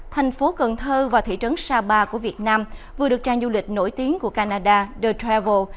thành phố cần thơ và thị trấn sapa của việt nam vừa được trang du lịch nổi tiếng của canada the travel